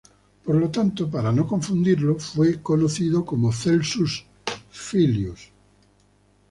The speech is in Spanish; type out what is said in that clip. Por lo tanto, para no confundirlo, fue conocido como Celsus Filius.